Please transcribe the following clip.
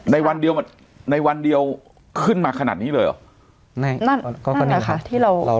ในวันเดียวในวันเดียวขึ้นมาขนาดนี้เลยเหรอนั่นนั่นค่ะที่เรา